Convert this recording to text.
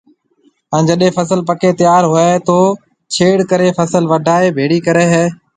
ھاڻ جڏي فصل پڪيَ تيار ھوئيَ ھيََََ تو ڇيڙ ڪرَي فصل وڊائيَ ڀيڙِي ڪرَي ھيََََ